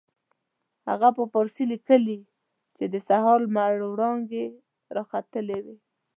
هغه په فارسي لیکلي چې د سهار لمر وړانګې را ختلې وې.